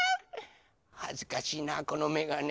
はずかしいなこのめがね。